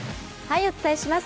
お伝えします。